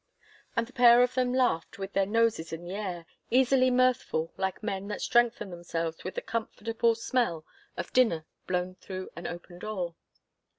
And the pair of them laughed with their noses in the air, easily mirthful like men that strengthen themselves with the comfortable smell of dinner blown through an open door.